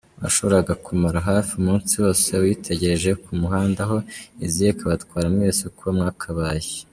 Washoboraga kumara hafi umunsi wose uyitegereje ku muhanda, aho iziye ikabatwara mwese uko mwakabaye.